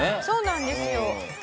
そうなんですよ。